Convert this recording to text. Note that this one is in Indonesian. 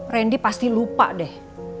randy pasti lupa deh